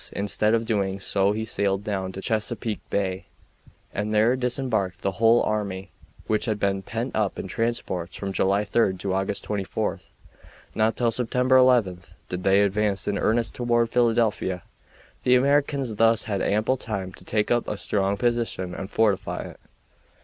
Instead of doing so he sailed down to Chesapeake Bay and there disembarked the whole army, which had been pent up in transports from July 3 to August 24. Not till September 11 did they advance in earnest toward Philadelphia. The Americans thus had ample time to take up a strong position and fortify it.